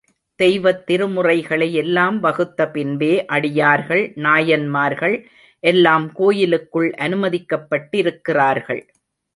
தெய்வத் திருமுறைகளை எல்லாம் வகுத்த பின்பே, அடியார்கள், நாயன்மார்கள் எல்லாம் கோயிலுக்குள் அனுமதிக்கப்பட்டிருக்கிறார்கள்.